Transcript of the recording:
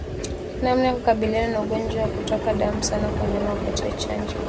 Namna ya kukabiliana na ugonjwa wa kutoka damu sana wanyama wapatiwe chanjo